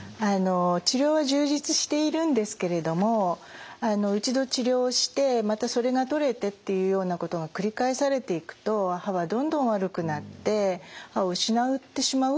治療は充実しているんですけれども一度治療をしてまたそれが取れてっていうようなことが繰り返されていくと歯はどんどん悪くなって歯を失ってしまうっていうこともあります。